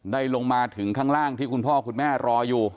ลงมาถึงข้างล่างที่คุณพ่อคุณแม่รออยู่